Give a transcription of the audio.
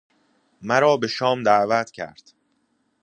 مرا به شام دعوت کرد.